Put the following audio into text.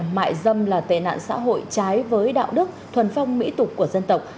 mại dâm là tệ nạn xã hội trái với đạo đức thuần phong mỹ tục của dân tộc